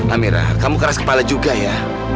amira kamu keras kepala juga ya